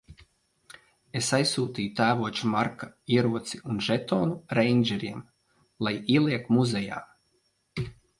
Es aizsūtīju tēvoča Marka ieroci un žetonu reindžeriem - lai ieliek muzejā.